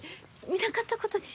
見なかったことに。